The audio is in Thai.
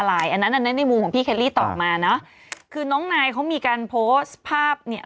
อันนั้นอันนั้นในมุมของพี่เคลลี่ตอบมาเนอะคือน้องนายเขามีการโพสต์ภาพเนี่ย